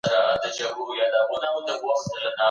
ایا د کلي ژوند له ښاري ژوند څخه صحي دی؟